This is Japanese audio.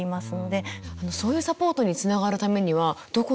そういうサポートにつながるためにはどこに相談したらいいんですか？